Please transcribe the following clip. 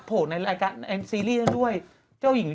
เป็นการกระตุ้นการไหลเวียนของเลือด